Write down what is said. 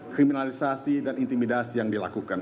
kriminalisasi dan intimidasi yang dilakukan